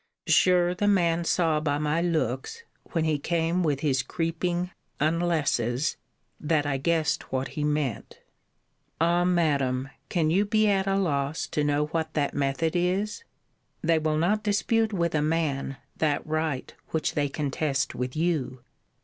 Sure the man saw by my looks, when he came with his creeping unless's, that I guessed what he meant. Ah! Madam, can you be at a loss to know what that method is? They will not dispute with a man that right which they contest with you.